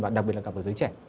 và đặc biệt là cả với giới trẻ